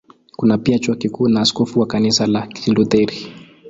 Kuna pia Chuo Kikuu na askofu wa Kanisa la Kilutheri.